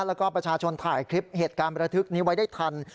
แล้วก็ประชาชนถ่ายคลิปเหตุการณ์ประทึกนี้ไว้ได้ทัน